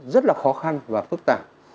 rất là khó khăn và phức tạp